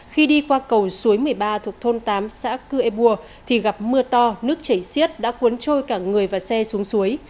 khi đi qua cầu suối một mươi ba thuộc thôn tám xã cư ê bua thì gặp mưa to nước chảy xiết đã cuốn trôi cả người và xe xuống suối